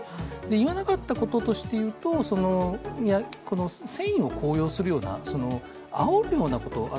言わなかったこととしては、戦意を高揚するような、あおるようなこと。